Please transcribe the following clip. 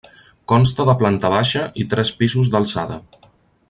Consta de planta baixa i tres pisos d'alçada.